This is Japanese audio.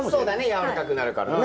柔らかくなるからね。